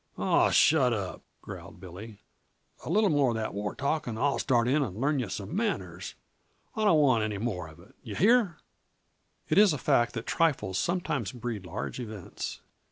"Aw, shut up!" growled Billy. "A little more uh that war talk and I'll start in and learn yuh some manners. I don't want any more of it. Yuh hear?" It is a fact that trifles sometimes breed large events.